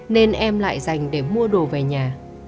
nên em lại dành để mua đồ về nhà